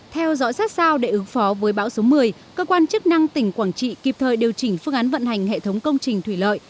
theo dõi sát sao để ứng phó với bão số một mươi cơ quan chức năng tỉnh quảng trị kịp thời điều chỉnh phương án vận hành hệ thống công trình thủy lợi